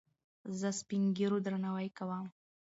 زه سپينږيرو درناوی کوم.